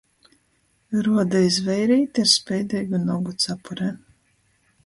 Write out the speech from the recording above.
Ruoda iz veirīti ar speideigu nogu capurē.